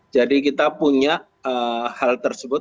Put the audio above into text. kita punya hal tersebut